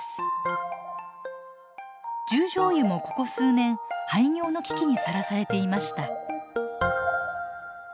十條湯もここ数年廃業の危機にさらされていました。